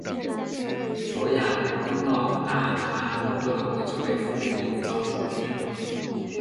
卓娅刚到达她工作岗位就被俘并遭处决。